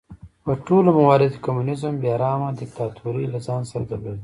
په ټولو مواردو کې کمونېزم بې رحمه دیکتاتورۍ له ځان سره درلود.